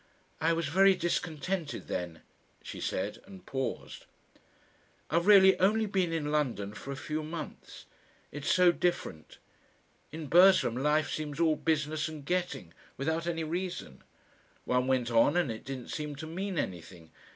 "I was very discontented then," she said and paused. "I've really only been in London for a few months. It's so different. In Burslem, life seems all business and getting without any reason. One went on and it didn't seem to mean anything.